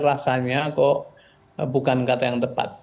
rasanya kok bukan kata yang tepat